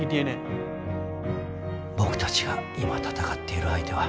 僕たちが今闘っている相手は。